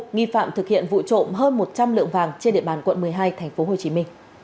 nghi phạm thực hiện vụ trộm hơn một trăm linh lượng vàng trên địa bàn quận một mươi hai tp hcm